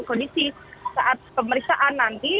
kondisi saat pemeriksaan nanti